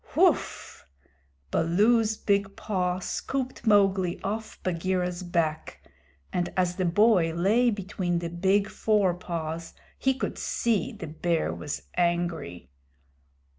"Whoof!" Baloo's big paw scooped Mowgli off Bagheera's back, and as the boy lay between the big fore paws he could see the Bear was angry.